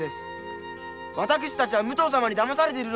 私たちは武藤様にだまされているのです！